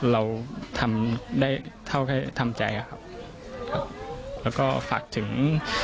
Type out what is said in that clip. เราทำได้เท่าแค่ทำใจอะครับแล้วก็ฝากถึง